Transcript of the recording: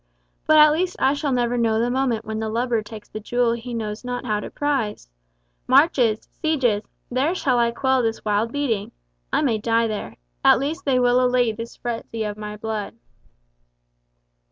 but at least I shall never know the moment when the lubber takes the jewel he knows not how to prize! Marches—sieges—there shall I quell this wild beating! I may die there. At least they will allay this present frenzy of my blood."